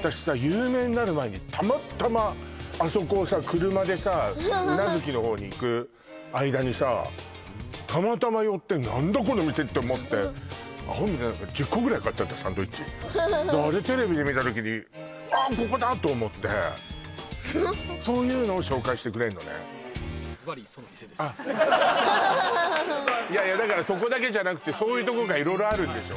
私さ有名になる前にたまたまあそこをさ車でさたまたま寄って何だこの店！？って思ってアホみたいに何か１０個くらい買っちゃったサンドイッチだからあれテレビで見た時にあっここだ！と思ってあっいやいやだからそこだけじゃなくてそういうとこが色々あるんでしょ？